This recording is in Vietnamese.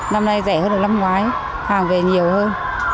năm nay rẻ hơn hồi năm ngoái hàng về nhiều hơn